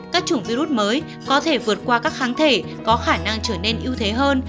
các chủng virus mới có thể vượt qua các kháng thể có khả năng trở nên ưu thế hơn